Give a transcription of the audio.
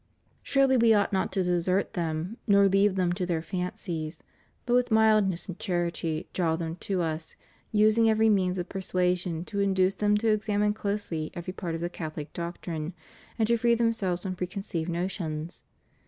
Surely we ought not to desert them nor leave them to their fancies; but with mildness and charity draw them to us, using everj'^ means of persuasion to induce them to examine closely every part of the Catholic doctrine, and to free themselves from preconceived notions.